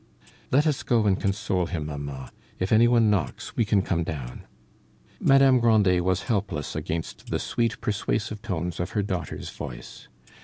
"Let us go and console him, mamma; if any one knocks, we can come down." Madame Grandet was helpless against the sweet persuasive tones of her daughter's voice.